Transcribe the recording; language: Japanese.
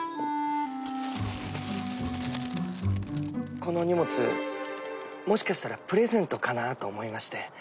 この荷物もしかしたらプレゼントかなと思いまして。